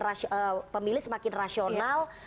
bahwa pemilu saat ini semakin rasional